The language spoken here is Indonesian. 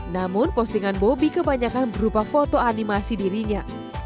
namun postingan bobi kebanyakan berupa foto animasi dirinya